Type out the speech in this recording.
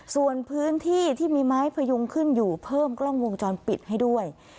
ส่วนพื้นที่ที่มีไม้พยุงขึ้นอยู่เพิ่มกล้องวงจรปิดให้ด้วย